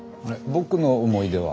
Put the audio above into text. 僕の思い出は？